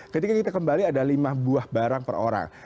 ketika kita kembali ada lima buah barang per orang